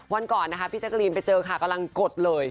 วันก่อนนะคะพี่แจ๊กรีนไปเจอค่ะกำลังกดเลย